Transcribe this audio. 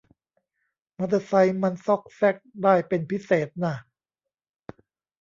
มอเตอร์ไซค์มันซอกแซกได้เป็นพิเศษน่ะ